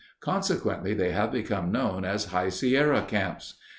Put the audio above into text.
Consequently they have become known as High Sierra Camps.